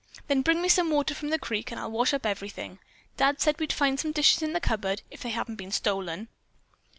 Then bring me some water from the creek and I'll wash up everything. Dad said we'd find some dishes in the cupboard, if they hadn't been stolen."